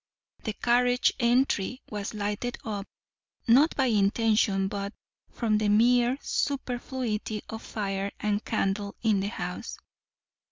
The carriage entry was lighted up, not by intention, but from the mere superfluity of fire and candle in the house.